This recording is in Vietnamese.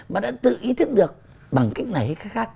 mà đã tự ý thức được bằng cách này hay cách khác